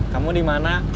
kamu di mana